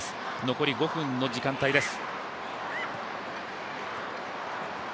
残り５分の時間帯です。